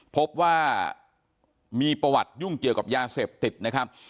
พบว่ามีประวัติยุ่งเกี่ยวกับยาเสพติดนะครับ